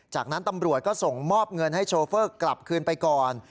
จากนั้นตำรวจก็ส่งมอบเงินให้โชเฟอร์กลับคืนไปก่อน